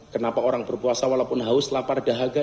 kenapa orang berpuasa walaupun haus lapar dahaga